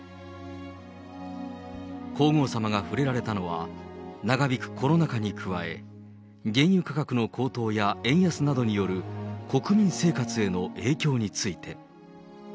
皇后さまが触れられたのは、長引くコロナ禍に加え、原油価格の高騰や円安などによる国民生活への影響について。